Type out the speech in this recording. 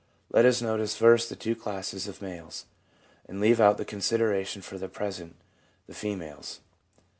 Let us notice first the two classes of males, and leave out of consideration for the present the females.